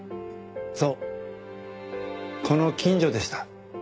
そうこの近所でした。